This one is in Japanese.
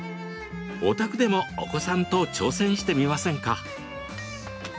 お宅でもお子さんと挑戦してみませんか？